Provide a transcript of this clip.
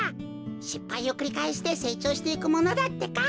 しっぱいをくりかえしてせいちょうしていくものだってか。